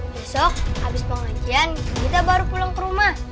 besok habis pengajian kita baru pulang ke rumah